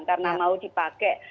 karena mau dipakai